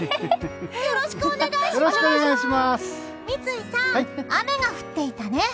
三井さん、雨が降っていたね。